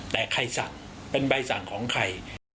แต่ใครสั่งเป็นใบสั่งของใคร